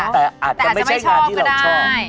แต่อาจจะไม่ใช่งานที่เราชอบ